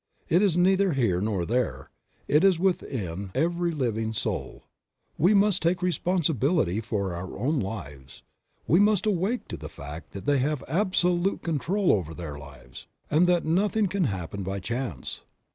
It is neither here nor there ; it is within every living soul. We must take the responsibility for our own lives. All must awake to the facts that they have absolute control over their lives, and that nothing can happen by chance.